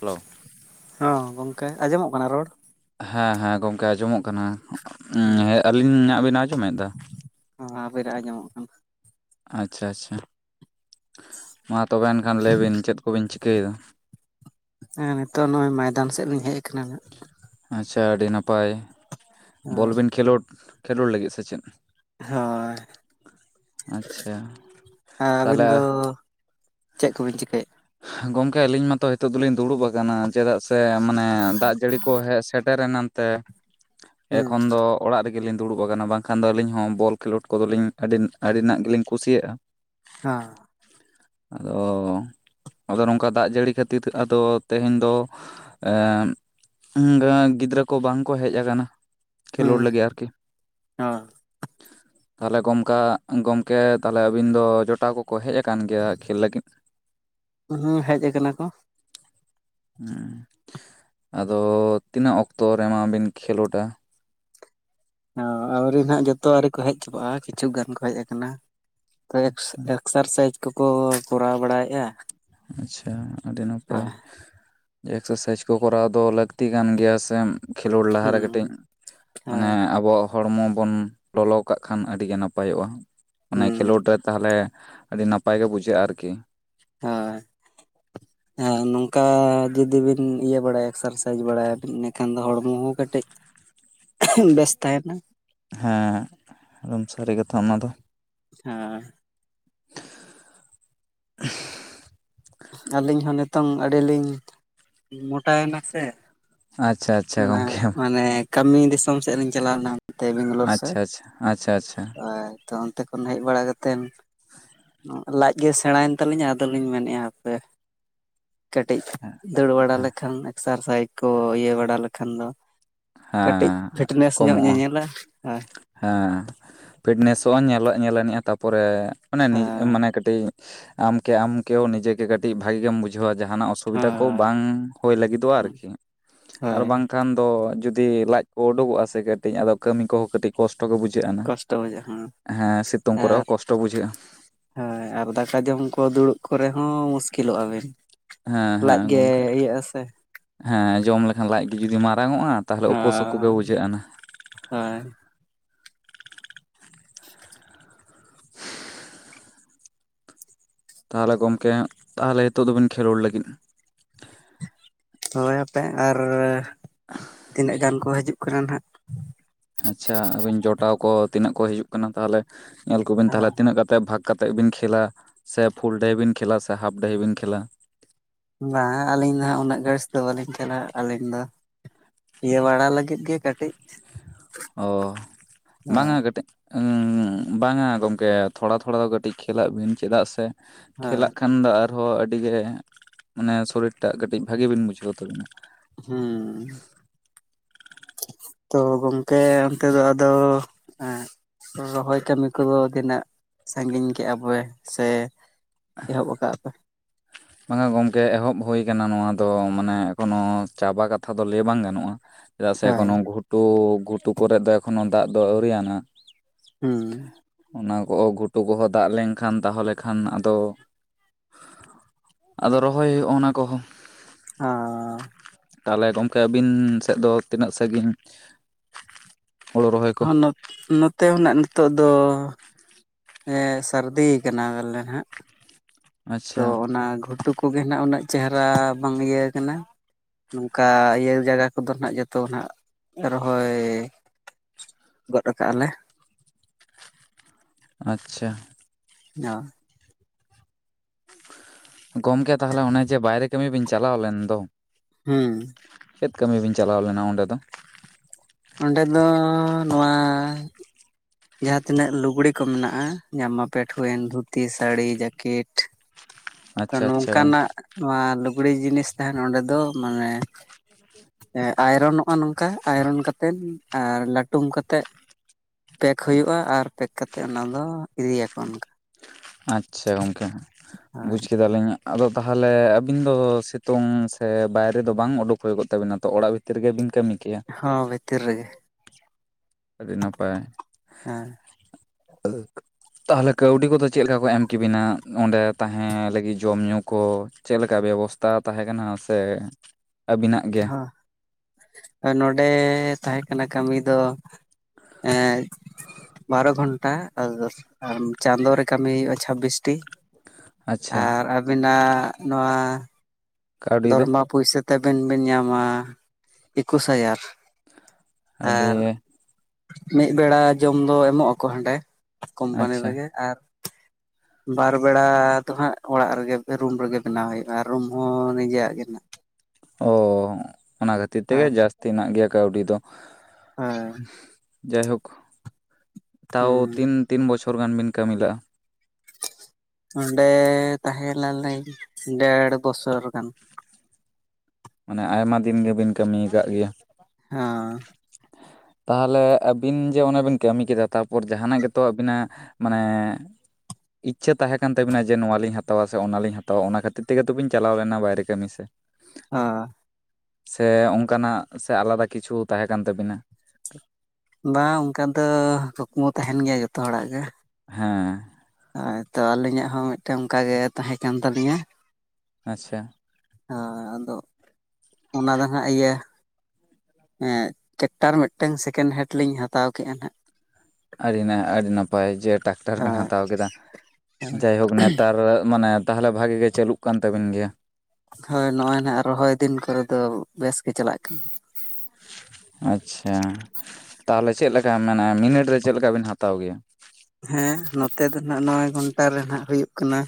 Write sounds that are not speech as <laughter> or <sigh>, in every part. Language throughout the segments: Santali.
ᱦᱮᱞᱳ᱾ ᱦᱚᱸ ᱜᱚᱝᱠᱮ ᱟᱸᱡᱚᱢᱚᱜ ᱠᱟᱱᱟ ᱨᱚᱲ? ᱦᱮᱸ ᱦᱮᱸ ᱜᱚᱝᱠᱮ ᱟᱸᱡᱚᱢᱚᱜ ᱠᱟᱱᱟ᱾ ᱮᱸ ᱦᱚᱸ ᱟᱹᱞᱤᱧᱟᱜ ᱵᱤᱱ ᱟᱸᱡᱚᱢᱮᱫᱟ? ᱦᱚᱸ ᱟᱵᱤᱱᱟᱜ ᱟᱡᱚᱢᱚᱜ ᱠᱟᱱᱟ᱾ ᱟᱪᱪᱷᱟ ᱟᱪᱪᱷᱟ, ᱢᱟ ᱛᱚᱵᱮ ᱮᱱᱠᱷᱟᱱ ᱞᱟᱹᱭ ᱵᱤᱱ ᱪᱮᱫ ᱠᱚᱵᱤᱱ ᱪᱤᱠᱟᱹᱭᱮᱫᱟ? ᱦᱮᱸ ᱱᱤᱛᱳᱜ ᱱᱚᱜᱼᱚᱭ ᱢᱚᱭᱫᱟᱱ ᱥᱮᱫ ᱞᱤᱧ ᱦᱮᱡ ᱠᱟᱱᱟ ᱱᱟᱦᱟᱜ᱾ ᱟᱪᱷᱟ ᱟᱹᱰᱤ ᱱᱟᱯᱟᱭ᱾ ᱵᱚᱞ ᱦᱮᱸ ᱵᱤᱱ ᱠᱷᱮᱞᱳᱰ ᱠᱷᱮᱞᱳᱰ ᱞᱟᱹᱜᱤᱫ ᱥᱮ ᱪᱮᱫ? ᱦᱳᱭ ᱟᱪᱪᱷᱟ ᱟ ᱟᱹᱵᱤᱱ ᱛᱟᱦᱚᱞᱮ ᱫᱚ ᱪᱮᱫ ᱠᱚᱵᱤᱱ ᱪᱤᱠᱟᱹᱭᱮᱫ ᱜᱚᱢᱠᱮ ᱟᱹᱞᱤᱧ ᱢᱟᱛᱚ ᱦᱤᱛᱳᱜ ᱫᱚᱞᱤᱧ ᱫᱩᱲᱩᱵ ᱟᱠᱟᱱᱟ ᱪᱮᱫᱟᱜ ᱥᱮ ᱢᱟᱱᱮ ᱫᱟᱜ ᱡᱟᱹᱲᱤ ᱠᱚ ᱦᱮᱡ ᱥᱮᱴ ᱨᱮᱱ ᱦᱟᱱᱛᱮ, ᱦᱩᱸ ᱮᱠᱷᱚᱱ ᱫᱚ ᱚᱲᱟᱜ ᱨᱮᱜᱮᱞᱤᱧ ᱫᱩᱲᱩᱵ ᱟᱠᱟᱱᱟ ᱵᱟᱝᱠᱷᱟᱱ ᱫᱚ ᱟᱹᱞᱤᱧ ᱦᱚᱸ ᱵᱚᱞ ᱠᱷᱮᱞᱳᱰ ᱠᱚᱫᱚ ᱞᱤᱧ ᱟᱹᱰᱤ ᱟᱹᱰᱤᱱᱟᱜ ᱜᱮᱞᱤᱧ ᱠᱩᱥᱤᱭᱟᱜᱼᱟ᱾ <inaudible> ᱦᱟᱸ᱾ ᱟᱫᱚ ᱟᱫᱚ ᱱᱚᱝᱠᱟ ᱫᱟᱜ ᱡᱟᱹᱲᱤ ᱠᱷᱟᱹᱛᱤᱨ ᱟᱫᱚ ᱛᱮᱦᱮᱧ ᱫᱚ ᱮᱸ ᱦᱩᱸ ᱜᱟ ᱜᱤᱫᱽᱨᱟᱹ ᱠᱚ ᱵᱟᱝ ᱠᱚ ᱦᱮᱡ ᱟᱠᱟᱱᱟ ᱠᱷᱮᱞᱳᱰ ᱦᱩᱸ ᱞᱟᱹᱜᱤᱫ ᱟᱨᱠᱤ ᱦᱳᱭ <inaudible> ᱛᱟᱦᱚᱞᱮ ᱜᱚᱢᱠᱟ ᱜᱚᱢᱠᱮ ᱛᱟᱦᱚᱞᱮ ᱟᱹᱵᱤᱱ ᱫᱚ ᱡᱚᱴᱟᱣ ᱠᱚᱠᱚ ᱦᱮᱡ ᱟᱠᱟᱱ ᱜᱮᱭᱟ ᱠᱷᱮᱞ ᱞᱟᱹᱜᱤᱫ? ᱦᱩᱸ ᱦᱮᱡ ᱟᱠᱟᱱᱟ ᱠᱚ᱾ ᱦᱩᱸ ᱟᱫᱚ ᱛᱤᱱᱟᱹᱜ ᱚᱠᱛᱚ ᱨᱮᱢᱟ ᱵᱤᱱ ᱠᱷᱮᱞᱳᱰᱟ? ᱚ ᱟᱹᱣᱨᱤ ᱱᱟᱦᱟᱜ ᱡᱚᱛᱚ ᱟᱹᱣᱨᱤ ᱠᱚ ᱦᱮᱡ ᱪᱟᱵᱟᱜᱼᱟ ᱠᱤᱪᱷᱩ ᱜᱟᱱ ᱠᱚ ᱦᱮᱡ ᱟᱠᱟᱱᱟ ᱟᱪᱪᱷᱟ <inaudible> ᱮᱠᱥᱟᱨᱥᱟᱭᱤᱡᱽ ᱠᱚᱠᱚ ᱠᱚᱨᱟᱣ ᱵᱟᱲᱟᱭᱮᱜᱼᱟ᱾ ᱟᱪᱪᱷᱟ ᱟᱹᱰᱤ ᱱᱟᱯᱟᱭ᱾ ᱮᱠᱥᱟᱨᱥᱟᱭᱤᱡ ᱠᱚ ᱠᱚᱨᱟᱣ ᱫᱚ ᱞᱟᱹᱠᱛᱤ ᱠᱟᱱ ᱜᱮᱭᱟ ᱥᱮ ᱠᱷᱮᱞᱳᱰ ᱞᱟᱦᱟ ᱨᱮ ᱦᱩᱸ ᱠᱟᱹᱴᱤᱡ ᱢᱟᱱᱮ ᱦᱳᱭ ᱟᱵᱚ ᱦᱚᱲᱢᱚ ᱵᱚᱱ ᱞᱚᱞᱚ ᱠᱟᱜ ᱠᱷᱟᱱ ᱟᱹᱰᱤ ᱜᱮ ᱱᱟᱯᱟᱭᱚᱜᱼᱟ ᱚᱱᱮ ᱦᱩᱸ ᱠᱷᱮᱞᱳᱰ ᱨᱮ ᱛᱟᱦᱚᱞᱮ ᱟᱹᱰᱤ ᱱᱟᱯᱟᱭ ᱜᱮ ᱵᱩᱡᱷᱟᱹᱜᱼᱟ ᱟᱨᱠᱤ ᱦᱳᱭ <inaudible> ᱱᱚᱝᱠᱟ ᱡᱩᱫᱤ ᱵᱤᱱ ᱤᱭᱟᱹ ᱵᱟᱲᱟᱭᱟ ᱮᱠᱥᱟᱨᱥᱟᱭᱤᱡᱽ ᱵᱟᱲᱟᱭᱟᱵᱤᱱ ᱤᱱᱟᱹᱠᱷᱟᱱ ᱫᱚ ᱦᱚᱲᱢᱚ ᱦᱚᱸ ᱠᱟᱹᱴᱤᱡ ᱵᱮᱥ ᱛᱟᱦᱮᱱᱟ, ᱦᱮᱸ ᱮᱠᱫᱚᱢ ᱥᱟᱹᱨᱤ ᱠᱟᱛᱷᱟ ᱚᱱᱟ ᱫᱚ᱾ ᱦᱮᱸ᱾ ᱟᱹᱞᱤᱧ ᱦᱚᱸ ᱱᱤᱛᱚᱝ ᱟᱹᱰᱤ ᱞᱤᱧ ᱢᱚᱴᱟᱭᱮᱱᱟ ᱥᱮ᱾ ᱟᱪᱪᱷᱟ ᱟᱪᱪᱷᱟ ᱜᱚᱢᱠᱮ ᱢᱟᱱᱮ ᱠᱟᱹᱢᱤ ᱫᱤᱥᱚᱢ ᱥᱮᱫ ᱞᱤᱧ ᱪᱟᱞᱟᱣ ᱞᱮᱱᱟ, ᱱᱚᱱᱛᱮ ᱵᱮᱝᱜᱞᱳᱨ ᱥᱮᱫ ᱟᱪᱪᱷᱟ ᱟᱪᱪᱷᱟ ᱟᱪᱪᱷᱟ ᱟᱪᱪᱷᱟ ᱦᱳᱭᱛᱚ ᱚᱱᱛᱮ ᱠᱷᱚᱱ ᱦᱮᱡ ᱵᱟᱲᱟ ᱠᱟᱛᱮᱱ ᱞᱟᱡ ᱜᱮ ᱥᱮᱬᱟᱭᱮᱱ ᱛᱟᱹᱞᱤᱧᱼᱟ ᱟᱫᱚᱞᱤᱧ ᱢᱮᱱᱮᱫᱼᱟ ᱦᱟᱯᱮ ᱠᱟᱹᱴᱤᱡ ᱫᱟᱹᱲ ᱵᱟᱲᱟ ᱞᱮᱠᱷᱟᱱ ᱮᱠᱥᱟᱨᱥᱟᱭᱤᱡᱽ ᱠᱚ ᱤᱭᱟᱹ ᱵᱟᱲᱟ ᱞᱮᱠᱷᱟᱱ ᱫᱚ ᱠᱟᱹᱴᱤᱡ ᱦᱮᱸ ᱯᱷᱤᱴᱱᱮᱥ ᱧᱚᱜ ᱠᱚᱢᱚᱜᱼᱟ ᱧᱮᱧᱮᱞᱟ ᱟᱨ ᱦᱮᱸ ᱯᱷᱤᱴᱱᱮᱥᱚᱜᱼᱟ᱾ ᱦᱚᱸ ᱧᱮᱞᱚᱜ ᱧᱮᱞ ᱟᱹᱱᱤᱡᱼᱟ ᱛᱟᱨᱯᱚᱨᱮ ᱚᱱᱮ ᱱᱤ ᱢᱟᱱᱮ ᱠᱟᱹᱴᱤᱡ ᱟᱢ ᱠᱮ ᱟᱢ ᱠᱮ ᱱᱤᱡᱮ ᱠᱮ ᱠᱟᱹᱴᱤᱡ ᱵᱷᱟᱜᱤ ᱜᱮᱢ ᱵᱩᱡᱷᱟᱹᱣᱟ ᱡᱟᱦᱟᱱᱟᱜ ᱚᱥᱩ ᱥᱩᱵᱤᱫᱟ ᱠᱚ ᱦᱳᱭ ᱵᱟᱝ ᱦᱳᱭ, ᱞᱟᱹᱜᱤᱫᱚᱜᱼᱟ᱾ ᱦᱳᱭ ᱟᱨᱠᱤ ᱟᱨ ᱦᱳᱭ ᱵᱟᱝ ᱠᱷᱟᱱ ᱫᱚ ᱡᱩᱫᱤ ᱞᱟᱡ ᱠᱚ ᱩᱰᱩᱠᱚᱜᱼᱟ᱾ ᱥᱮ ᱠᱟᱹᱴᱤᱡ ᱟᱫᱚ ᱠᱟᱹᱢᱤ ᱠᱚᱦᱚᱸ ᱠᱟᱹᱴᱤᱡ ᱠᱚᱥᱴᱚ ᱜᱮ ᱵᱩᱡᱷᱟᱹᱜᱼᱟ᱾ ᱱᱟᱜ ᱠᱚᱥᱴᱚ ᱵᱩᱡᱷᱟᱹᱜᱼᱟ ᱦᱮᱸ ᱥᱤᱛᱩᱝ ᱠᱚᱨᱮ ᱦᱚᱸ ᱟᱨ ᱠᱚᱥᱴᱚ ᱵᱩᱡᱷᱟᱹᱜᱼᱟ᱾ ᱦᱳᱭ ᱟᱨ ᱫᱟᱠᱟ ᱡᱚᱢ ᱠᱚ ᱫᱩᱲᱩᱵ ᱠᱚᱨᱮ ᱦᱚᱸ ᱢᱩᱥᱠᱤ ᱞᱚᱜᱼᱟ᱾ ᱵᱮᱱ ᱦᱮᱸ ᱞᱟᱡ ᱦᱮᱸ ᱜᱮ ᱜᱚᱢᱠᱮ ᱤᱭᱟᱹᱜᱼᱟ ᱥᱮ ᱦᱮᱸ ᱡᱚᱢ ᱞᱮᱠᱷᱟᱱ ᱞᱟᱡ ᱜᱮ ᱡᱩᱫᱤ ᱢᱟᱨᱟᱝ ᱚᱜᱼᱟ ᱛᱟᱦᱚᱞᱮ ᱩᱠᱩ ᱥᱩᱠᱩ ᱜᱮ ᱵᱩᱡᱷᱟᱹᱜᱼᱟ ᱱᱟ᱾ ᱚᱻᱦᱳᱭ᱾ ᱛᱟᱦᱚᱞᱮ ᱜᱚᱢᱠᱮ ᱛᱟᱦᱚᱞᱮ ᱱᱤᱛᱚᱜ ᱫᱚᱵᱤᱱ ᱠᱷᱮᱞᱳᱰ ᱞᱟᱹᱜᱤᱫ ᱦᱚᱭ ᱟᱯᱮ ᱟᱨᱻ ᱛᱤᱱᱟᱹᱜ ᱜᱟᱱ ᱠᱚ ᱦᱤᱡᱩᱜ ᱠᱟᱱᱟ ᱱᱟᱦᱟᱜ ᱟᱪᱪᱷᱟ ᱟᱹᱵᱤᱱ, ᱡᱚᱴᱟᱣ ᱠᱚ ᱛᱤᱱᱟᱹᱜ ᱠᱚ ᱦᱤᱡᱩᱜ ᱠᱟᱱᱟ ᱛᱟᱦᱚᱞᱮ ᱧᱮᱞ ᱠᱚᱵᱤᱱ ᱛᱟᱦᱚᱞᱮ ᱛᱤᱱᱟᱹᱜ ᱠᱟ ᱵᱷᱟᱜ ᱠᱟᱛᱮᱜ ᱵᱤᱱ ᱠᱷᱮᱞᱟ ᱥᱮ ᱯᱷᱩᱞ ᱴᱟᱭ ᱵᱤᱱ ᱠᱷᱮᱞᱟ ᱥᱮ ᱦᱟᱯᱴᱟᱭ ᱵᱤᱱ ᱠᱷᱮᱞᱟ ᱵᱟᱝ ᱟᱹᱞᱤᱧ ᱫᱚ ᱦᱟᱸᱜ ᱩᱱᱟᱹᱜ ᱜᱮᱥ ᱫᱚ ᱵᱟᱹᱞᱤᱧ ᱠᱷᱮᱞᱟ ᱟᱹᱞᱤᱧ ᱫᱚ ᱤᱭᱟᱹ ᱵᱟᱲᱟ ᱞᱟᱹᱜᱤᱫ ᱜᱮ ᱠᱟᱹᱴᱤᱡ ᱚ ᱵᱟᱝᱟ ᱦᱳᱭ ᱠᱟᱹᱴᱤᱡ ᱟᱸᱸᱵᱟᱝᱟ ᱜᱚᱢᱠᱮ ᱛᱷᱚᱲᱟ ᱛᱷᱚᱲᱟ ᱫᱚ ᱠᱟᱹᱴᱤᱡ ᱠᱷᱮᱞᱟᱜ ᱵᱤᱱ ᱪᱮᱫᱟᱜ ᱥᱮ ᱦᱳᱭ ᱠᱷᱮᱞᱟᱜ ᱠᱷᱟᱱ ᱫᱚ ᱟᱨ <unintelligible> ᱦᱚᱸ ᱟᱹᱰᱤ ᱜᱮ ᱢᱟᱱᱮ ᱥᱚᱨᱤᱨ ᱴᱟᱜ ᱠᱟᱹᱴᱤᱡ ᱵᱷᱟᱜᱤ ᱵᱤᱱ ᱵᱩᱡᱷᱟᱹᱣ ᱛᱚᱨᱟ ᱦᱩᱸ ᱛᱚ ᱜᱚᱝᱠᱮ ᱚᱱᱛᱮ ᱫᱚ ᱟᱫᱚ ᱦᱮᱸ ᱨᱚᱦᱚᱭ ᱠᱟᱹᱢᱤ ᱠᱚᱫᱚ ᱛᱤᱱᱟᱹᱜ ᱥᱟᱺᱜᱤᱧ ᱠᱮᱜᱼᱟ ᱯᱮ ᱥᱮ ᱮᱦᱚᱵ ᱠᱟᱜᱼᱟ ᱯᱮ ᱵᱟᱝᱟ ᱜᱚᱝᱠᱮ ᱮᱦᱚᱵ ᱦᱩᱭ ᱠᱟᱱᱟ᱾ ᱱᱚᱣᱟ ᱫᱚ ᱢᱟᱱᱮ ᱮᱱᱳ ᱪᱟᱵᱟ ᱠᱟᱛᱷᱟ ᱫᱚ ᱞᱟᱹᱭ ᱵᱟᱝ ᱜᱟᱱᱚᱜᱼᱟ᱾ ᱪᱮᱫᱟᱜ ᱥᱮ ᱦᱳᱭ ᱮᱠᱷᱱᱳ ᱜᱷᱩᱴᱩ ᱜᱷᱩᱴᱩ ᱠᱚᱨᱮ ᱫᱚ ᱮᱠᱷᱚᱱᱳ ᱫᱟᱜ ᱫᱚ ᱟᱹᱣᱨᱤᱟᱱᱟ ᱦᱩᱸ ᱚᱱᱟ ᱠᱚᱸ ᱜᱷᱩᱴᱩ ᱠᱚᱦᱚᱸ ᱫᱟᱜ ᱞᱮᱱᱠᱷᱟᱱ ᱛᱟᱦᱚᱞᱮ ᱠᱷᱟᱱ ᱟᱫᱚ ᱟᱫᱚ ᱨᱚᱦᱚᱭ ᱦᱩᱭᱩᱜᱼᱟ᱾ ᱚᱱᱟ ᱠᱚᱦᱚᱸ ᱟᱸᱸ ᱛᱟᱦᱚᱞᱮ ᱜᱚᱢᱠᱮ ᱟᱹᱵᱤᱱ ᱥᱮᱜ ᱫᱚ ᱛᱤᱱᱟᱹᱜ ᱥᱟᱺᱜᱤᱧ? ᱦᱳᱲᱳ ᱨᱚᱦᱚᱭ ᱠᱚ <unintelligible> ᱱᱚᱛᱮ ᱦᱚᱸᱱᱟᱜ ᱱᱤᱛᱚᱜ ᱫᱚ ᱮ ᱥᱟᱹᱨᱫᱤ ᱠᱟᱱᱟ ᱵᱟᱞᱮ ᱱᱟᱦᱟᱜ᱾ ᱛᱚ ᱟᱪᱪᱷᱟ ᱚᱱᱟ ᱜᱷᱩᱴᱩ ᱠᱚᱜᱮ ᱦᱟᱸᱜ ᱩᱱᱟᱹᱜ ᱪᱮᱦᱨᱟ ᱵᱟᱝ ᱤᱭᱟᱹ ᱠᱟᱱᱟ᱾ ᱱᱚᱝᱠᱟ ᱤᱭᱟᱹ ᱡᱟᱭᱜᱟ ᱠᱚᱫᱚ ᱦᱟᱸᱜ ᱡᱚᱛᱚ ᱦᱟᱸᱜ ᱨᱚᱦᱚᱭ ᱜᱚᱫ ᱠᱟᱜᱼᱟ ᱞᱮ, ᱟᱪᱪᱷᱟ᱾ ᱚᱻ ᱜᱚᱢᱠᱮ ᱛᱟᱦᱚᱞᱮ ᱚᱱᱮ ᱡᱮ ᱵᱟᱭᱨᱮ ᱠᱟᱹᱢᱤ ᱵᱤᱱ ᱪᱟᱞᱟᱣ ᱞᱮᱱ ᱫᱚ, ᱦᱩᱸ ᱪᱮᱫ ᱠᱟᱹᱢᱤᱵᱤᱱ ᱪᱟᱞᱟᱣ ᱞᱮᱱᱟ ᱚᱸᱰᱮ ᱫᱚ? ᱚᱸᱰᱮ ᱫᱚ ᱱᱚᱣᱟᱻ ᱡᱟᱦᱟᱸ ᱛᱤᱱᱟᱹᱜ ᱞᱩᱜᱽᱲᱤ ᱠᱚ ᱢᱮᱱᱟᱜᱼᱟ, ᱡᱟᱢᱟ ᱯᱮᱴ ᱦᱩᱭᱮᱱ ᱫᱷᱩᱛᱤ ᱥᱟᱹᱲᱤ ᱡᱟᱱᱮᱴ, ᱛᱚ ᱟᱪᱪᱷᱟ ᱟᱪᱪᱷᱟ ᱜᱚᱢ ᱱᱚᱝᱠᱟᱱᱟᱜ ᱱᱚᱣᱟ ᱞᱩᱜᱽᱲᱤᱡ ᱡᱤᱱᱤᱥ ᱛᱟᱦᱮᱱ ᱚᱸᱰᱮ ᱫᱚ ᱢᱟᱱᱮ ᱦᱮᱸ ᱟᱭᱨᱚᱱᱚᱜᱼᱟ ᱱᱚᱝᱠᱟ ᱟᱭᱨᱚᱱ ᱠᱟᱛᱮᱫ ᱟᱨ ᱞᱟᱹᱴᱩᱢ ᱠᱟᱛᱮᱜ, ᱯᱮᱠ ᱦᱩᱭᱩᱜᱼᱟ ᱟᱨ ᱯᱮᱠ ᱠᱟᱛᱮᱜ ᱚᱱᱟ ᱫᱚ ᱤᱫᱤᱭᱟᱠᱚ ᱚᱱᱠᱟ, ᱟᱪᱪᱷᱟ, ᱜᱚᱝᱠᱮ ᱦᱚᱸ ᱦᱳᱭ ᱵᱩᱡᱽ ᱠᱮᱫᱟᱞᱤᱧ, ᱟᱫᱚ ᱛᱟᱦᱚᱞᱮ ᱟᱹᱵᱤᱱ ᱫᱚ ᱥᱤᱛᱩᱝ ᱥᱮ ᱵᱟᱭᱨᱮ ᱫᱚ ᱵᱟᱝ ᱩᱰᱩᱠ ᱦᱩᱭ ᱠᱚᱜ ᱛᱟᱹᱵᱤᱱᱟ ᱛᱚ ᱚᱲᱟᱜ ᱵᱷᱤᱛ ᱵᱷᱤᱛ ᱨᱮᱜᱮᱵᱤᱱ ᱠᱟᱹᱢᱤ ᱠᱮᱭᱟ? ᱦᱚᱸ ᱵᱷᱤᱛᱤᱨ ᱨᱮᱜᱮ, ᱟᱹᱰᱤ ᱱᱟᱯᱟᱭ, ᱦᱮᱸ <unintelligible> ᱛᱟᱦᱚᱞᱮ ᱠᱟᱹᱣᱰᱤ ᱠᱚᱫᱚ ᱪᱮᱫ ᱞᱮᱠᱟ ᱠᱚ ᱮᱢ ᱠᱮᱵᱤᱱᱟ, ᱚᱸᱰᱮ ᱛᱟᱦᱮᱸ ᱞᱟᱹᱜᱤᱫ ᱡᱚᱢ ᱧᱩ ᱠᱚ? ᱪᱮᱫ ᱞᱮᱠᱟ ᱵᱮᱵᱚᱥᱛᱟ ᱛᱟᱦᱮᱸ ᱠᱟᱱᱟ ᱥᱮ? ᱟᱹᱵᱤᱱᱟᱜ ᱜᱮ ᱦᱚᱸ ᱱᱚᱰᱮ ᱛᱟᱦᱮᱸ ᱠᱟᱱᱟ ᱠᱟᱹᱢᱤ ᱫᱚ, ᱮ <unintelligible> ᱵᱟᱨᱚ ᱜᱷᱚᱱᱴᱟ ᱟᱨ ᱫᱚᱥ ᱪᱟᱸᱫᱳ ᱨᱮ ᱠᱟᱹᱢᱤ ᱦᱩᱭᱩᱜᱼᱟ ᱪᱷᱟᱵᱵᱤᱥᱴᱤ, ᱟᱪᱪᱷᱟ ᱟᱨ ᱟᱹᱵᱤᱱᱟᱜ ᱱᱚᱣᱟ, ᱠᱟᱹᱣᱰᱤ ᱫᱚ ᱫᱚᱨᱢᱟ ᱯᱩᱭᱥᱟᱹ ᱛᱮᱟᱵᱤᱱ ᱵᱤᱱ ᱧᱟᱢᱟ ᱮᱠᱩᱥ ᱦᱟᱡᱟᱨ, ᱟᱼᱢᱮ ᱟᱨ ᱢᱤᱫ ᱵᱮᱲᱟ ᱡᱚᱢ ᱫᱚ ᱮᱢᱚᱜ ᱟᱠᱚ ᱦᱟᱸᱰᱮ ᱠᱳᱢᱯᱟᱱᱤ ᱟᱪᱪᱷᱟ ᱨᱮᱜᱮ ᱟᱨ, ᱵᱟᱨ ᱵᱮᱲᱟ ᱫᱚ ᱦᱟᱸᱜ ᱚᱲᱟᱜ ᱨᱮᱜᱮ, ᱨᱩᱢ ᱨᱮᱜᱮ ᱵᱮᱱᱟᱣ ᱦᱩᱭᱩᱜᱼᱟ᱾ ᱟᱨ ᱨᱩᱢ ᱦᱚᱸ ᱱᱤᱡᱮᱨᱟᱜ ᱜᱮ ᱦᱟᱸᱜ, ᱚ ᱚᱱᱟ ᱠᱷᱟᱹᱛᱤᱨ ᱛᱮᱜᱮ ᱦᱳᱭ ᱡᱟᱹᱥᱛᱤ ᱧᱟᱜ ᱜᱮᱭᱟ ᱠᱟᱹᱣᱰᱤ ᱫᱚ᱾ ᱦᱳᱭ ᱡᱟᱭᱦᱳᱠ, ᱛᱟᱣ ᱦᱩᱸ ᱛᱤᱱ ᱛᱤᱱ ᱵᱚᱪᱷᱚᱨ ᱜᱟᱱ ᱵᱤᱱ ᱠᱟᱹᱢᱤ ᱞᱟᱜᱼᱟ? ᱚᱸᱰᱮ ᱛᱟᱦᱮᱸ ᱞᱮᱱᱟᱞᱤᱧ ᱰᱮᱲ ᱵᱚᱪᱷᱚᱨ ᱜᱟᱱ᱾ ᱢᱟᱱᱮ ᱟᱭᱢᱟ ᱫᱤᱱ ᱜᱮᱵᱤᱱ ᱠᱟᱹᱢᱤ ᱟᱠᱟᱜ ᱜᱮᱭᱟ᱾ ᱦᱮᱸᱻ ᱛᱟᱦᱚᱞᱮ ᱟᱹᱵᱤᱱ ᱡᱮ ᱚᱱᱟ ᱵᱤᱱ ᱠᱟᱹᱢᱤ ᱠᱮᱫᱟ, ᱛᱟᱨᱯᱚᱨ ᱡᱟᱦᱟᱱᱟᱜ ᱜᱮᱛᱚ ᱟᱹᱵᱤᱱᱟᱜ ᱢᱟᱱᱮ, ᱤᱪᱪᱷᱟᱹ ᱛᱟᱦᱮᱸ ᱠᱟᱱ ᱛᱟᱹᱵᱤᱱᱟ ᱡᱮ ᱱᱚᱣᱟ ᱞᱤᱧ ᱦᱟᱛᱟᱣᱟ ᱥᱮ ᱚᱱᱟᱞᱤᱧ ᱦᱟᱛᱟᱣᱟ, ᱚᱱᱟ ᱠᱷᱟᱹᱛᱤᱨ ᱛᱮᱜᱮ ᱛᱚᱵᱤᱱ ᱪᱟᱞᱟᱣ ᱞᱮᱱᱟ ᱵᱟᱭᱨᱮ ᱠᱟᱹᱢᱤ ᱥᱮᱫ, <inaudible> ᱟᱻ ᱥᱮ ᱚᱱᱠᱟᱱᱟᱜ ᱥᱮ ᱟᱞᱟᱫᱟ ᱠᱤᱪᱷᱩ ᱛᱟᱦᱮᱸ ᱠᱟᱱ ᱛᱟᱹᱵᱤᱱᱟ? <inaudible> ᱵᱟᱝ ᱚᱱᱠᱟ ᱫᱚ ᱠᱩᱠᱢᱩ ᱛᱟᱦᱮᱱ ᱜᱮᱭᱟ ᱡᱷᱚᱛᱚ ᱦᱚᱲᱟᱜ ᱜᱮ᱾ ᱦᱮᱸ ᱦᱳᱭᱛᱚ ᱟᱹᱞᱤᱧᱟᱜ ᱦᱚᱸ ᱢᱤᱫᱴᱮᱱ ᱚᱱᱠᱟᱜ ᱜᱮ, ᱛᱟᱦᱮᱸ ᱠᱟᱱ ᱛᱟᱹᱟᱞᱤᱧᱟ᱾ ᱟᱪᱪᱷᱟ ᱦᱚᱸ ᱟᱫᱚ, ᱚᱱᱟ ᱫᱚ ᱦᱟᱸᱜ ᱤᱭᱟᱹ ᱦᱮᱸ ᱪᱮᱠᱴᱟᱨ ᱢᱤᱫᱴᱟᱝ, ᱥᱮᱠᱮᱱᱰ ᱦᱮᱱᱰ ᱞᱤᱧ ᱦᱟᱛᱟᱣ ᱠᱮᱫᱼᱟ ᱾ᱱᱟᱜ ᱟᱹᱰᱤᱱᱟ ᱟᱹᱰᱤ ᱱᱟᱯᱟᱭ, ᱡᱮ ᱴᱟᱠᱴᱟᱨ ᱵᱤᱱ ᱦᱟᱛᱟᱣ ᱠᱮᱫᱟ᱾ ᱦᱳᱭ ᱡᱟᱭᱦᱳᱠ ᱱᱮᱛᱟᱨ ᱢᱟᱱᱮ ᱛᱟᱦᱚᱞᱮ ᱵᱷᱽᱟᱜᱮ ᱜᱮ ᱪᱟᱹᱞᱩᱜ ᱠᱟᱱ ᱛᱟᱵᱤᱱ ᱜᱮᱭᱟ? ᱦᱳᱭ ᱱᱚᱜᱼᱚᱭ ᱱᱟᱦᱟᱜ ᱨᱚᱦᱚᱭ ᱫᱤᱱ ᱠᱚᱨᱮ ᱫᱚ, ᱵᱮᱥ ᱜᱮ ᱪᱟᱞᱟᱜ ᱠᱟᱱᱟ᱾ ᱟᱪᱪᱷᱟ ᱛᱟᱦᱚᱞᱮ ᱪᱮᱫ ᱞᱮᱠᱟ᱾ ᱢᱮᱱᱟ ᱢᱤᱱᱤᱴ ᱨᱮ ᱪᱮᱫᱞᱮᱠᱟ ᱵᱤᱱ ᱦᱟᱛᱟᱣ ᱜᱮᱭᱟ᱾ ᱦᱮᱸ ᱱᱚᱛᱮ ᱫᱚ ᱱᱟᱜ ᱱᱚᱭ‌‌ ᱜᱷᱚᱱᱴᱟ ᱨᱮᱱᱟᱜ ᱦᱩᱭᱩᱼᱜ ᱠᱟᱱᱟ᱾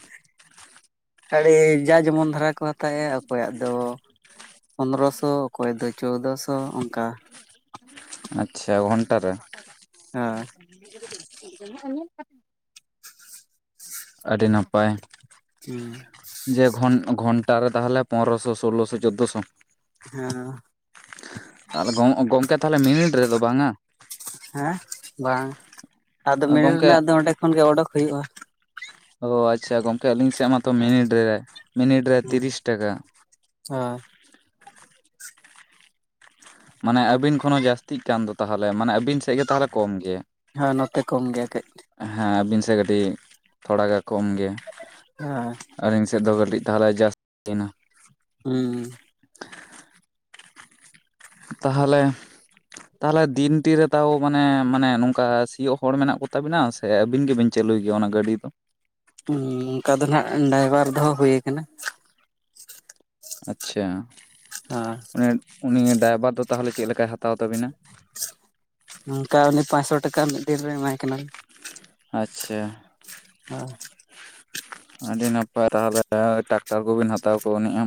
ᱟᱹᱰᱤ ᱡᱟ ᱡᱮᱢᱚᱱ ᱫᱷᱽᱟᱨᱟ ᱠᱚ ᱦᱟᱛᱟᱭᱼᱟ᱾ ᱚᱠᱚᱭᱟᱜ ᱫᱚ ᱯᱚᱱᱨᱚ ᱥᱚ, ᱚᱠᱚᱭ ᱫᱚ ᱪᱳᱫᱚ ᱥᱚ ᱚᱱᱠᱟ᱾ ᱟᱪᱪᱷᱟ ᱜᱷᱚᱱᱴᱟ ᱨᱮ? ᱦᱚᱭ ᱾ <unintelligible> ᱟᱹᱰᱤ ᱱᱟᱯᱟᱭ᱾ ᱦᱮᱸ ᱡᱮ ᱜᱷᱳᱱ, ᱜᱷᱚᱱᱴᱟ ᱨᱮ ᱛᱟᱦᱚᱞᱮ, ᱯᱚᱱᱮᱨᱚᱥᱚ ᱥᱳᱞᱳ ᱥᱚ ᱪᱳᱫᱽᱫᱳ ᱥᱚ᱾ ᱦᱮᱸ ᱦᱮᱸ ᱛᱟᱦᱚᱞᱮ ᱜᱚᱝᱠᱮ ᱛᱟᱦᱚᱞᱮ ᱢᱤᱱᱤᱴ ᱨᱮᱫᱚ ᱵᱟᱝᱟ? ᱦᱮᱸ, ᱵᱟᱝ, ᱟᱫᱚ ᱢᱤᱱᱤᱴ ᱜᱚᱝᱠᱮ ᱨᱮᱱᱟᱜ ᱫᱚ ᱚᱸᱰᱮ ᱠᱷᱚᱱ ᱜᱮ ᱚᱰᱩᱠ ᱦᱩᱭᱩᱜᱼᱟ᱾ ᱚ ᱟᱪᱪᱷᱟ ᱜᱚᱝᱠᱮ ᱟᱹᱞᱤᱧ ᱥᱮᱫ ᱢᱟᱛᱚ ᱢᱤᱱᱤᱴ ᱨᱮ, ᱢᱤᱱᱤᱴ ᱨᱮ ᱛᱤᱨᱤᱥ ᱴᱟᱠᱟ᱾ ᱦᱳᱭ ᱢᱟᱱᱮ ᱟᱹᱵᱤᱱ ᱠᱷᱚᱱ ᱦᱚᱸ ᱡᱟᱹᱥᱛᱤᱜ ᱠᱟᱱ ᱫᱚ ᱛᱟᱦᱚᱞᱮ, ᱢᱟᱱᱮ ᱟᱹᱵᱤᱱ ᱥᱮᱫ ᱜᱮ ᱛᱟᱦᱚᱞᱮ ᱠᱚᱢ ᱜᱮ? ᱦᱮᱸ ᱱᱚᱛᱮ ᱠᱚᱢ ᱜᱮᱭᱟ ᱠᱟᱹᱡ᱾ ᱦᱮᱸ ᱟᱹᱵᱤᱱ ᱥᱮᱫ ᱠᱟᱹᱴᱤᱡ ᱛᱷᱚᱲᱟ ᱜᱮ ᱠᱚᱢ ᱜᱮᱭᱟ᱾ ᱦᱮᱸ ᱟᱹᱞᱤᱧ ᱥᱮᱫ ᱫᱚ ᱠᱟᱹᱴᱤᱡ ᱛᱟᱦᱚᱞᱮ ᱡᱟᱹᱥᱛᱤᱭᱮᱱᱟ᱾ ᱦᱩᱸ ᱛᱟᱦᱚᱞᱮ ᱛᱟᱦᱚᱞᱮ ᱫᱤᱱ ᱴᱤ ᱨᱮ ᱛᱟᱣᱚᱜ, ᱢᱟᱱᱮ- ᱢᱟᱱᱮ ᱱᱚᱝᱠᱟ ᱥᱤᱭᱳᱜ ᱦᱚᱲ ᱢᱮᱱᱟᱜ ᱠᱚ ᱛᱟᱵᱤᱱᱟ᱾ ᱥᱮ ᱟᱹᱵᱤᱱ ᱜᱮᱵᱮᱱ ᱪᱟᱹᱞᱩᱭ ᱜᱮᱭᱟ, ᱚᱱᱟ ᱜᱟᱹᱰᱤ ᱫᱚ? ᱦᱩᱸ ᱚᱱᱠᱟ ᱫᱚ ᱱᱟᱜ, ᱰᱟᱭᱵᱟᱨ ᱫᱚᱦᱚᱸ ᱦᱩᱭ ᱟᱠᱟᱱᱟ᱾ ᱟᱪᱪᱷᱟ ᱦᱟᱸ ᱢᱟᱱᱮ ᱩᱱᱤ ᱰᱟᱭᱵᱷᱟᱨ ᱫᱚ ᱛᱟᱦᱚᱞᱮ, ᱪᱮᱫ ᱞᱮᱠᱟᱭ ᱦᱟᱛᱟᱣ ᱛᱟᱵᱤᱱᱟ᱾ ᱱᱚᱝᱠᱟ ᱩᱱᱤ ᱯᱟᱸᱪᱥᱚ ᱴᱟᱠᱟ ᱢᱤᱫ ᱫᱤᱱ ᱨᱮ ᱮᱢᱟᱭ ᱠᱟᱱᱟ ᱞᱮ᱾ ᱟᱪᱪᱷᱟ ᱦᱚᱭ ᱟᱹᱰᱤ ᱱᱟᱯᱟᱭ ᱛᱟᱦᱚᱞᱮ, ᱴᱟᱠᱴᱟᱨ ᱠᱚᱵᱤᱱ ᱦᱟᱛᱟᱣ ᱠᱟᱣ ᱱᱤᱡ-ᱟ᱾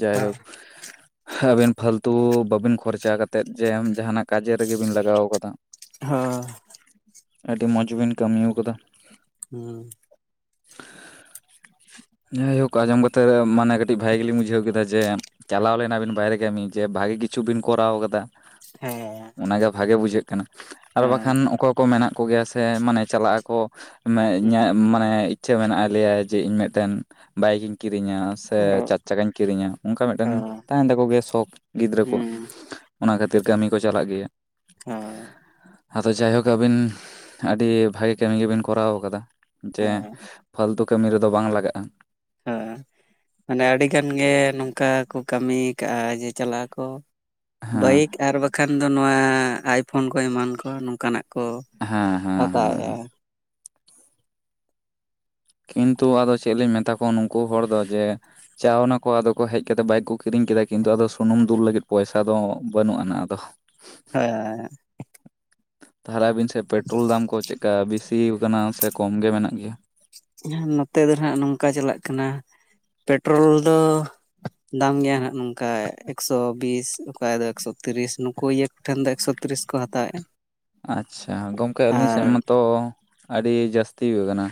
ᱡᱟᱭᱦᱳᱠ <inaudible> ᱟᱹᱵᱤᱱ ᱯᱷᱟᱞᱛᱩ ᱵᱟᱹᱵᱤᱱ ᱠᱷᱚᱨᱪᱟ ᱠᱟᱛᱮᱫ, ᱡᱮ ᱡᱟᱦᱟᱱᱟᱜ ᱠᱟᱡᱮ ᱨᱮᱜᱮ ᱵᱤᱱ ᱞᱟᱜᱟᱣ ᱟᱠᱟᱫᱟ᱾ ᱦᱳᱭ ᱟᱹᱰᱤ ᱢᱚᱡᱽ ᱵᱤᱱ ᱠᱟᱹᱢᱤ ᱟᱠᱟᱫᱟ᱾ ᱦᱩᱸ <inaudible> ᱡᱟᱭᱦᱳᱠ ᱟᱸᱡᱚᱢ ᱠᱟᱛᱮ ᱢᱟᱱᱮ ᱠᱟᱹᱴᱤᱡ ᱵᱷᱟᱜᱮ ᱜᱮᱞᱤᱧ ᱵᱩᱡᱷᱟᱹᱣ ᱠᱮᱫᱟ ᱡᱮ ᱪᱟᱞᱟᱣ ᱞᱮᱱᱟ ᱵᱤᱱ ᱵᱟᱭᱨᱮ ᱠᱟᱹᱢᱤ ᱡᱮ ᱵᱷᱟᱜᱤ ᱠᱤᱪᱷᱩ ᱵᱤᱱ ᱠᱚᱨᱟᱣ ᱠᱟᱫᱟ ᱦᱮᱸ ᱚᱱᱟᱜᱮ ᱵᱷᱟᱜᱮ ᱵᱩᱡᱷᱟᱹᱜ ᱠᱟᱱᱟ ᱟᱨ ᱦᱮᱸ ᱵᱟᱠᱷᱟᱱ ᱚᱠᱚᱭ ᱠᱚ ᱢᱮᱱᱟᱜ ᱠᱚᱜᱮᱭᱟ ᱥᱮ ᱢᱟᱱᱮ ᱪᱟᱞᱟᱜ ᱟᱠᱚ ᱢᱟᱱᱮ ᱦᱩᱸ ᱤᱧᱟᱹᱜ ᱢᱟᱱᱮ ᱤᱪᱪᱷᱟᱹ ᱢᱮᱱᱟᱜ-ᱟ ᱞᱮᱭᱟᱭ ᱡᱮ ᱤᱧ ᱢᱮᱫᱴᱮᱱ ᱵᱟᱭᱤᱠ ᱤᱧ ᱠᱤᱨᱤᱧᱟ ᱥᱮ ᱟᱨᱚ ᱪᱟᱨ ᱪᱟᱠᱟᱧ ᱠᱤᱨᱤᱧᱟ ᱚᱱᱠᱟ ᱢᱤᱫᱴᱟᱝ ᱥᱚᱠ ᱦᱚᱸ ᱛᱟᱸᱦᱮᱱ ᱛᱟᱠᱚ ᱜᱮᱭᱟ ᱜᱤᱫᱽᱨᱟᱹ ᱠᱚᱣᱟᱜ ᱦᱩᱸ ᱚᱱᱟ ᱠᱷᱟᱹᱛᱤᱨ ᱠᱟᱹᱢᱤ ᱠᱚ ᱪᱟᱞᱟᱜ ᱜᱮᱭᱟ ᱦᱩᱸ ᱟᱫᱚ ᱡᱟᱭᱦᱳᱠ ᱟᱹᱵᱤᱱ ᱟᱹᱰᱤ ᱵᱷᱟᱜᱮ ᱠᱟᱹᱢᱤ ᱜᱮᱵᱤᱱ ᱠᱚᱨᱟᱣ ᱠᱟᱫᱟ ᱡᱮ ᱦᱮᱸ ᱯᱷᱟᱹᱞᱛᱩ ᱠᱟᱹᱢᱤ ᱨᱮᱫᱚ ᱵᱟᱝ ᱞᱟᱜᱟᱜᱼᱟ ᱦᱳᱭ ᱢᱟᱱᱮ ᱟᱹᱰᱤ ᱜᱟᱱ ᱜᱮ ᱱᱚᱝᱠᱟ ᱠᱚ ᱠᱟᱹᱢᱤ ᱠᱟᱜᱼᱟ ᱡᱮ ᱪᱟᱞᱟᱜ ᱟᱠᱚ ᱵᱟᱭᱤᱠ ᱟᱨ ᱵᱟᱠᱷᱟᱱ ᱫᱚ ᱱᱚᱣᱟ ᱟᱭᱯᱷᱳᱱ ᱠᱚ ᱮᱢᱟᱱ ᱠᱚ ᱱᱚᱝᱠᱟ ᱱᱟᱜ ᱠᱚ ᱦᱮᱸ ᱦᱮᱸ ᱦᱮᱸ ᱦᱟᱛᱟᱣᱮᱫᱼᱟ ᱦᱮᱸ ᱠᱤᱱᱛᱩ ᱟᱫᱚ ᱪᱮᱫ ᱞᱤᱧ ᱢᱮᱛᱟ ᱠᱚᱣᱟ ᱱᱩᱝᱠᱩ ᱦᱚᱲ ᱫᱚ ᱡᱮ ᱪᱟᱣ ᱱᱟᱠᱚ ᱟᱫᱚ ᱠᱚ ᱦᱮᱡ ᱠᱟᱛᱮ ᱵᱟᱭᱤᱠ ᱠᱚ ᱠᱤᱨᱤᱧ ᱠᱮᱫᱟ ᱠᱤᱱᱛᱩ ᱟᱫᱚ ᱥᱩᱱᱩᱢ ᱫᱩᱞ ᱞᱟᱹᱜᱤᱫ ᱯᱚᱭᱥᱟ ᱫᱚ ᱵᱟᱹᱱᱩᱜ ᱟᱱᱟ ᱟᱫᱚ ᱦᱮᱸ ᱦᱮᱸ ᱛᱟᱦᱟᱞᱮ ᱟᱵᱤᱱ ᱥᱮᱫ ᱯᱮᱴᱨᱳᱞ ᱫᱟᱢ ᱠᱚ ᱪᱮᱫ ᱞᱮᱠᱟ ᱵᱤᱥᱤᱭ ᱠᱟᱱᱟ ᱥᱮ ᱠᱚᱢ ᱜᱮ ᱢᱮᱱᱟᱜ ᱜᱮᱭᱟ? ᱱᱚᱛᱮ ᱫᱚ ᱱᱟᱸᱜ ᱱᱚᱝᱠᱟ ᱪᱟᱞᱟᱜ ᱠᱟᱱᱟ ᱯᱮᱴᱨᱳᱞ ᱫᱚ ᱫᱟᱢ ᱜᱮᱭᱟ ᱱᱟᱜ ᱱᱚᱝᱠᱟ ᱮᱠᱥᱚ ᱵᱤᱥ ᱠᱷᱟᱭ ᱫᱚ ᱮᱠᱥᱚ ᱛᱤᱨᱤᱥ ᱱᱩᱠᱩ ᱤᱭᱟᱹ ᱠᱚᱴᱷᱮᱱ ᱫᱚ ᱮᱠᱥᱳ ᱛᱤᱨᱤᱥ ᱠᱚ ᱦᱟᱛᱟᱣᱮᱜᱼᱟ ᱟᱪᱪᱷᱟ ᱜᱚᱝᱠᱮ ᱟᱹᱞᱤᱧ ᱥᱮᱫ ᱢᱟᱛᱚ ᱟᱹᱰᱤ ᱡᱟᱹᱥᱛᱤ ᱠᱟᱱᱟ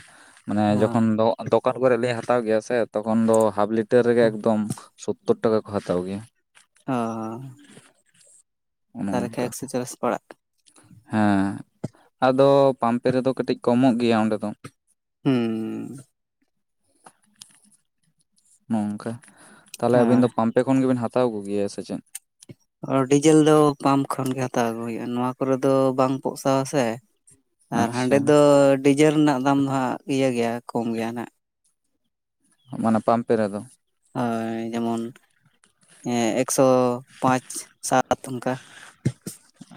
ᱢᱟᱱᱮ ᱚ ᱡᱚᱠᱷᱚᱱ ᱫᱚᱠᱟᱱ ᱠᱚᱨᱮ ᱞᱤᱧ ᱦᱟᱛᱟᱣ ᱜᱮᱭᱟ ᱥᱮ ᱛᱚᱠᱷᱚᱱ ᱫᱚ ᱦᱟᱯ ᱞᱤᱴᱟᱨ ᱨᱮᱜᱮ ᱮᱠᱫᱚᱢ ᱥᱳᱛᱳᱨ ᱴᱟᱠᱟ ᱠᱚ ᱦᱟᱛᱟᱣ ᱜᱮᱭᱟ ᱟᱻᱻᱻ ᱚᱱᱮ ᱛᱟᱦᱚᱞᱮ ᱠᱷᱟᱭ ᱚᱱᱠᱟ ᱮᱠᱥᱚ ᱪᱟᱞᱞᱤᱥ ᱯᱟᱲᱟᱜ ᱦᱮᱸ ᱟᱫᱚ ᱯᱟᱢᱯᱮ ᱨᱮᱫᱚ ᱠᱟᱹᱴᱤᱡ ᱠᱚᱢᱚᱜ ᱜᱮᱭᱟ ᱚᱸᱰᱮ ᱫᱚ ᱦᱩᱸ ᱱᱚᱝᱠᱟ ᱛᱟᱞᱮ ᱟᱹᱵᱤᱱ ᱫᱚ ᱯᱟᱢᱯᱮ ᱠᱷᱚᱱ ᱜᱮᱵᱮᱱ ᱦᱟᱛᱟᱣ ᱠᱚᱜᱮᱭᱟ ᱥᱮ ᱪᱮᱫ? ᱟᱸᱰᱤ ᱡᱷᱟᱹᱞ ᱫᱚ ᱯᱟᱢᱯ ᱠᱷᱚᱱ ᱜᱮ ᱦᱟᱛᱟᱣ ᱟᱹᱜᱩ ᱦᱩᱭᱩᱜᱼᱟ ᱱᱚᱣᱟ ᱠᱚᱨᱮ ᱫᱚ ᱵᱟᱝ ᱯᱥᱟᱣᱼᱟ ᱥᱮ <inaudible> ᱟᱨ ᱦᱟᱸᱰᱮ ᱫᱚ ᱰᱤᱡᱮᱞ ᱨᱮᱱᱟᱜ ᱫᱟᱢ ᱫᱚ ᱦᱟᱸᱜ ᱤᱭᱟᱹ ᱜᱮᱭᱟ ᱠᱚᱢ ᱜᱮᱭᱟ ᱦᱟᱸᱜ ᱢᱟᱱᱮ ᱯᱟᱢᱯᱮ ᱨᱮᱫᱚ ᱦᱳᱭ ᱡᱮᱢᱚᱱ ᱮᱠᱥᱚ ᱯᱟᱸᱪ, ᱥᱟᱛ ᱟᱛ ᱚᱱᱠᱟ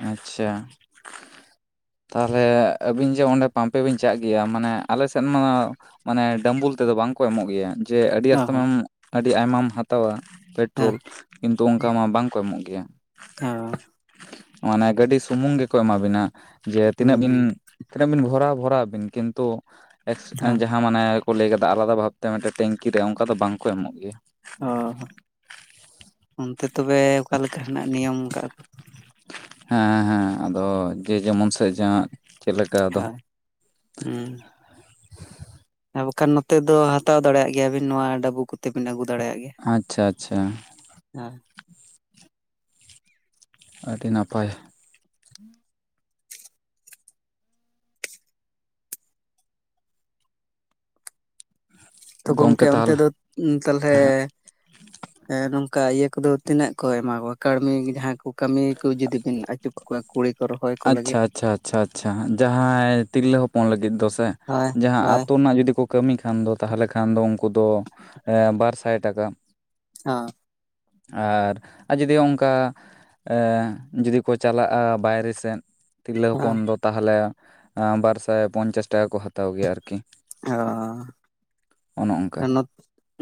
ᱟᱪᱪᱷᱟ ᱛᱟᱦᱟᱞᱮ ᱟᱹᱵᱤᱱ ᱡᱮ ᱚᱸᱰᱮ ᱯᱟᱢᱯᱮ ᱵᱤᱱ ᱪᱟᱜ ᱜᱮᱭᱟ ᱢᱟᱱᱮ ᱟᱞᱮ ᱥᱮᱫ ᱢᱟ ᱢᱟᱱᱮ ᱰᱟᱢᱵᱩᱞ ᱛᱮᱫᱚ ᱵᱟᱝᱠᱚ ᱮᱢᱚᱜ ᱜᱮᱭᱟ ᱡᱮ ᱟᱹᱰᱤ ᱚ ᱟᱥᱛᱢ ᱦᱚᱸ ᱟᱹᱰᱤ ᱟᱭᱢᱟᱢ ᱦᱟᱛᱟᱣᱟ ᱦᱮᱸ ᱯᱮᱴᱨᱳᱞ ᱠᱤᱱᱛᱩ ᱚᱱᱠᱟ ᱢᱟ ᱵᱟᱝᱠᱚ ᱮᱢᱚᱜ ᱜᱮᱭᱟ ᱦᱮᱸ ᱢᱟᱱᱮ ᱜᱟᱹᱰᱤ ᱥᱩᱢᱩᱝ ᱜᱮᱠᱚ ᱮᱢᱟ ᱵᱤᱱᱟ ᱡᱮ ᱛᱤᱱᱟᱹᱜ ᱦᱩᱸ ᱵᱤᱱ ᱦᱩᱸ ᱛᱤᱱᱟᱹᱜ ᱵᱤᱱ ᱵᱷᱚᱨᱟᱣᱟ ᱵᱷᱚᱨᱟᱣ ᱵᱤᱱ ᱠᱤᱱᱛᱩ ᱮᱠᱥ ᱦᱮᱸ ᱡᱟᱦᱟᱸ ᱢᱟᱱᱮ ᱠᱚ ᱞᱟᱹᱭ ᱠᱟᱫᱟ ᱟᱞᱟᱫᱟ ᱵᱷᱟᱵᱛᱮ ᱴᱮᱝᱠᱤ ᱨᱮᱫᱚ ᱚᱱᱠᱟ ᱫᱚ ᱵᱟᱝ ᱠᱚ ᱮᱢᱚᱜ ᱜᱮᱭᱟ ᱚ ᱚᱱᱛᱮ ᱛᱚᱵᱮ ᱚᱠᱟ ᱞᱮᱠᱟ ᱦᱮᱱᱟᱜ ᱱᱤᱭᱚᱢ ᱠᱟᱜ ᱟ? ᱦᱮᱸ ᱦᱮᱸ ᱟᱫᱚ ᱡᱮ ᱡᱮᱢᱚᱱ ᱥᱮᱫ ᱡᱟᱸᱦᱟ ᱛᱷᱟ ᱦᱩᱸ ᱦᱮ ᱵᱟᱠᱷᱟᱱ ᱱᱚᱛᱮ ᱫᱚ ᱦᱟᱛᱟᱣ ᱫᱟᱲᱮᱭᱟᱜ ᱜᱮᱭᱟᱵᱤᱱ ᱱᱚᱣᱟ ᱰᱟᱹᱵᱩ ᱠᱚᱛᱮ ᱵᱤᱱ ᱟᱹᱜᱩ ᱫᱟᱲᱮᱭᱟᱜ ᱜᱮᱭᱟ᱾ ᱟᱪᱪᱷᱟ ᱪᱷᱟ ᱪᱷᱟ᱾ ᱦᱮᱸ᱾ ᱟᱹᱰᱤ ᱱᱟᱯᱟᱭ᱾ ᱛᱚ ᱜᱚᱢᱠᱮ ᱜᱚᱝᱠᱮ ᱚᱱᱛᱮ ᱛᱟᱦᱚᱞᱮ ᱫᱚ ᱛᱟᱞᱦᱮ ᱮ ᱱᱚᱝᱠᱟ ᱤᱭᱟᱹ ᱠᱚᱫᱚ ᱛᱤᱱᱟᱹᱜ ᱠᱚ ᱮᱢᱟ ᱠᱚᱣᱟ ᱠᱟᱹᱲᱢᱤ ᱡᱟᱦᱟᱸ ᱠᱚ ᱠᱟᱹᱢᱤ ᱠᱩ ᱡᱩᱫᱤ ᱵᱤᱱ ᱟᱪᱩ ᱠᱚᱣᱟ ᱠᱩᱲᱤ ᱠᱚ ᱨᱚᱦᱚᱭ? ᱠᱚ ᱟᱪᱪᱷᱟ ᱞᱟᱹᱜᱤᱫ ᱟᱪᱪᱷᱟ ᱟᱪᱪᱷᱟ ᱡᱟᱦᱟᱸᱭ ᱛᱤᱨᱞᱟᱹ ᱦᱚᱯᱚᱱ ᱞᱟᱹᱜᱤᱫ ᱫᱚ ᱥᱮ? ᱦᱳᱭ ᱡᱟᱦᱟᱸ ᱦᱳᱭ ᱟᱹᱛᱳ ᱨᱮᱱᱟᱜ ᱡᱩᱫᱤ ᱠᱚ ᱠᱟᱹᱢᱤ ᱠᱷᱟᱱ ᱫᱚ ᱛᱟᱦᱚᱞᱮ ᱠᱷᱟᱱ ᱫᱚ ᱩᱱᱠᱩ ᱫᱚ ᱵᱟᱨ ᱥᱟᱭ ᱴᱟᱠᱟ, ᱟᱨ ᱟ ᱡᱩᱫᱤ ᱚᱱᱠᱟ ᱮ ᱡᱩᱫᱤ ᱠᱚ ᱪᱟᱞᱟᱜᱼᱟ ᱵᱟᱭᱨᱮ ᱥᱮ ᱥᱮᱫ ᱛᱤᱨᱞᱟᱹ ᱦᱚᱯᱚᱱ ᱫᱚ ᱛᱟᱦᱚᱞᱮ ᱵᱟᱨ ᱥᱟᱭ ᱯᱚᱧᱪᱟᱥ ᱴᱟᱠᱟ ᱠᱚ ᱦᱟᱛᱟᱣ ᱜᱮᱭᱟ ᱟᱨᱠᱤ᱾ ᱚ᱾ ᱚᱱᱚ ᱚᱱᱠᱟ᱾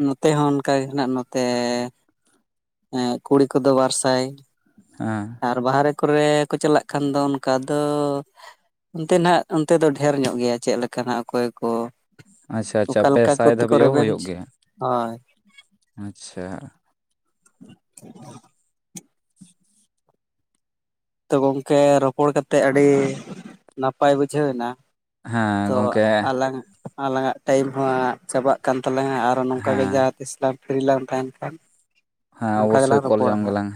ᱱᱚᱛᱮ ᱦᱚᱸ ᱚᱱᱠᱟᱜᱮ ᱦᱮᱸᱱᱟᱜ ᱱᱚᱛᱮ ᱠᱩᱲᱤ ᱠᱚᱫᱚ ᱵᱟᱨ ᱥᱟᱭ ᱦᱟᱸ᱾ ᱟᱨ ᱵᱟᱦᱟᱨᱮ ᱠᱚᱨᱮ ᱠᱚ ᱪᱟᱞᱟᱜ ᱠᱷᱟᱱ ᱫᱚ ᱚᱱᱠᱟ ᱫᱚ ᱚᱱᱛᱮ ᱱᱟᱸᱜ ᱚᱱᱛᱮ ᱫᱚ ᱰᱷᱮᱨ ᱧᱚᱜ ᱜᱮᱭᱟ ᱪᱮᱫ ᱞᱮᱠᱟ ᱱᱟᱜ ᱚᱠᱚᱭ ᱠᱚ ᱟᱪᱪᱷᱟ ᱟᱪᱪᱷᱟ ᱚᱠᱟ ᱯᱮ ᱞᱮᱠᱟ ᱥᱟᱭ ᱠᱚᱛᱮ ᱠᱚ ᱫᱷᱟᱹᱵᱤᱡ ᱦᱚᱸ ᱨᱮᱵᱮᱱ ᱦᱩᱭᱩᱜ ᱜᱮᱭᱟ ᱦᱳᱭ ᱟᱪᱪᱷᱟ᱾ <inaudible> ᱛᱚ ᱜᱚᱝᱠᱮ ᱨᱚᱯᱚᱲ ᱠᱟᱛᱮᱜ ᱟᱹᱰᱤ ᱱᱟᱯᱟᱭ ᱵᱩᱡᱷᱟᱹᱣ ᱮᱱᱟ, ᱦᱮᱸ ᱛᱚ ᱜᱚᱢᱠᱮ ᱦᱮᱸ ᱟᱞᱟᱝᱼᱟᱜ ᱟᱞᱟᱝᱼᱟᱜ ᱴᱟᱭᱤᱢ ᱦᱚᱸ ᱪᱟᱵᱟᱜ ᱠᱟᱱ ᱛᱟᱞᱟᱝ ᱟᱜ ᱟᱨᱚ ᱱᱚᱝᱠᱟᱜᱮ ᱡᱟᱦᱟᱸ ᱛᱤᱥ ᱞᱟᱝ ᱯᱷᱤᱨᱨᱤ ᱞᱟᱝ ᱛᱟᱦᱮᱸᱱ ᱠᱷᱟᱱ ᱦᱮᱸ ᱱᱚᱝᱠᱟ ᱚᱵᱚᱥᱥᱳᱭ ᱜᱮᱞᱟᱝ ᱠᱚᱞ ᱨᱚᱯᱚᱲᱟ ᱡᱚᱝ ᱦᱟᱸᱜ᱾ ᱜᱮᱞᱟᱝ